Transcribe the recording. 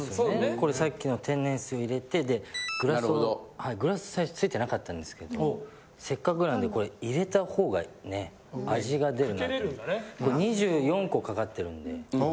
これさっきの天然水入れてでグラスをグラス最初ついてなかったんですけどせっかくなんでこれ入れた方がね味が出るな。